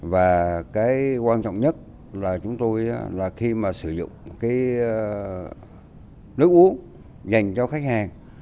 và cái quan trọng nhất là chúng tôi là khi mà sử dụng cái nước uống dành cho khách hàng